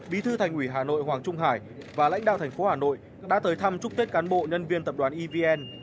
bí thư thành ủy hà nội hoàng trung hải và lãnh đạo thành phố hà nội đã tới thăm chúc tết cán bộ nhân viên tập đoàn evn